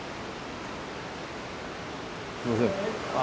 すいません